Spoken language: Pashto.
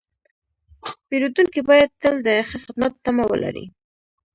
پیرودونکی باید تل د ښه خدمت تمه ولري.